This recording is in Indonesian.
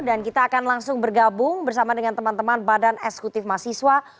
dan kita akan langsung bergabung bersama dengan teman teman badan eksekutif mahasiswa